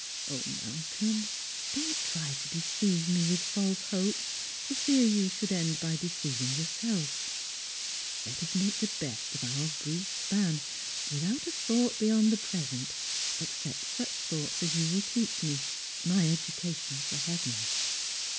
O Malcolm, don't try to deceive me with false hopes, for fear you should end by deceiving yourself. Let us make the best of our brief span, without a thought beyond the pi esent, except such thoughta as you will teach me — my education for heaven."